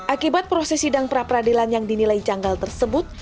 akibat proses sidang pra peradilan yang dinilai janggal tersebut